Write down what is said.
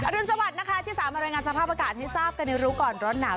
รุนสวัสดิ์นะคะที่สามารถรายงานสภาพอากาศให้ทราบกันในรู้ก่อนร้อนหนาว